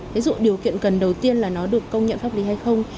ví dụ điều kiện cần đầu tiên là nó được công nhận pháp lý hay không